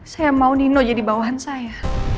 saya mau nino jadi bawahan saya